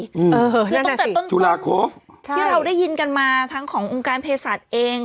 อืมเออนั่นแหละสิจุฬาโคฟใช่ที่เราได้ยินกันมาทั้งขององค์การเพศาจเอง